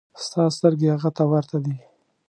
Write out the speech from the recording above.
ستا سترګې هغه ته ورته دي.